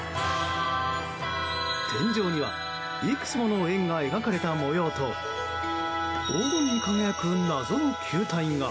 天井にはいくつもの円が描かれた模様と黄金に輝く謎の球体が。